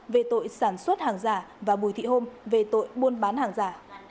về tội sản xuất hàng giả và bùi thị hôm về tội buôn bán hàng giả